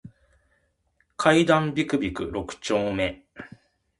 階段ビクビク六丁目